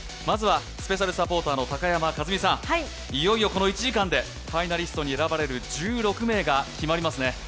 まずはスペシャルサポーターの高山一実さん、いよいよこの１時間でファイナリストに選ばれる１６名が決まりますね。